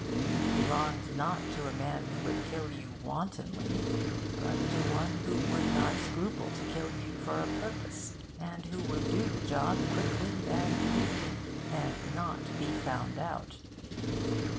It belonged not to a man who would kill you wantonly, but to one who would not scruple to kill you for a purpose, and who would do the job quickly and neatly, and not be found out.